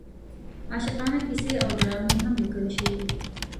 عاشقانه کیسې او ډرامې هم لیکل شوې.